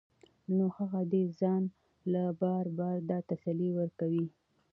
نو هغه دې ځان له بار بار دا تسلي ورکوي